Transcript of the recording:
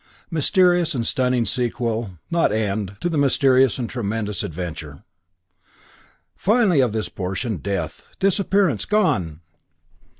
Mysterious and stunning sequel not end to the mysterious and tremendous adventure! Finally, of this portion, death, disappearance, gone!